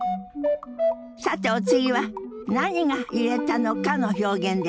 さてお次は何が揺れたのかの表現です。